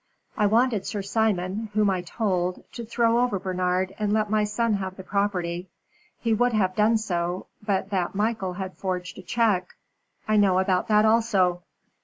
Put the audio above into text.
I wanted Sir Simon, whom I told, to throw over Bernard and let my son have the property. He would have done so, but that Michael had forged a check " "I know about that also."